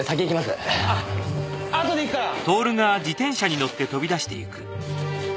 あとで行くから！